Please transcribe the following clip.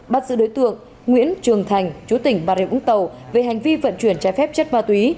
bắt giữ đối tượng nguyễn trường thành chú tỉnh bà rịa vũng tàu về hành vi vận chuyển trái phép chất ma túy